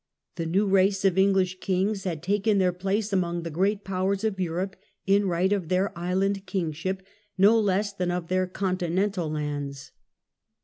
The new race of English kings had Results of taken their place among the great powers of the Norman Europe in right of their island kingship no ^®"*i"' less Uian of their continental lands.